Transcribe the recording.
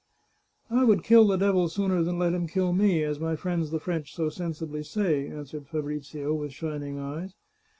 " I would kill the devil sooner than let him kill me, as my friends the French so sensibly say," answered Fabrizio, with shining eyes.